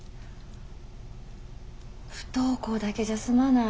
不登校だけじゃ済まない。